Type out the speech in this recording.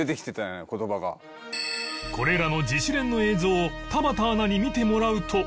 これらの自主練の映像を田畑アナに見てもらうと